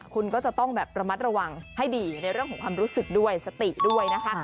คุณก็จะต้องแบบระมัดระวังให้ดีในเรื่องของความรู้สึกด้วยสติด้วยนะคะ